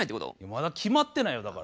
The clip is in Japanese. まだ決まってないよだから。